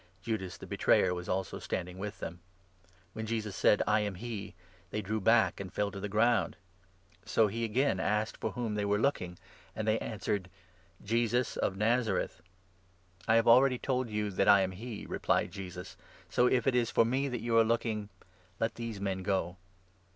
(Judas, the betrayer, was also standing with them.) When Jesus said ' I am he,' they drew back and fell to the 6 ground. So he again asked for whom they were looking, and 7 they answered : "Jesus of Nazareth." " I have* already told you that I am he," replied Jesus, "so, 8 if it is for me that you are looking, let these men go."